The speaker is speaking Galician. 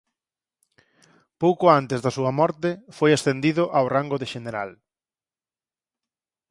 Pouco antes da súa morte foi ascendido ao rango de xeneral.